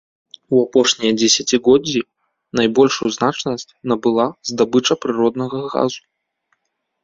У апошнія дзесяцігоддзі найбольшую значнасць набыла здабыча прыроднага газу.